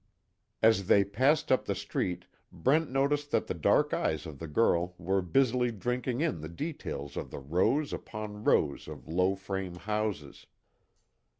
As they passed up the street Brent noticed that the dark eyes of the girl were busily drinking in the details of the rows upon rows of low frame houses.